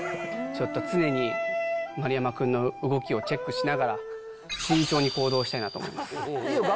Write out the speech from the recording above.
ちょっと、常に丸山君の動きをチェックしながら、慎重に行動したいなと思います。